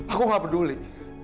aku gak peduli